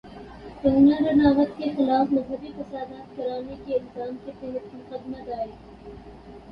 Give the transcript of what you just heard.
کنگنا رناوٹ کے خلاف مذہبی فسادات کرانے کے الزام کے تحت مقدمہ دائر